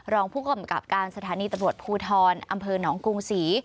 รองผู้กำกับการสถานีตำรวจภูทรอำเภอหนองกรุงศรี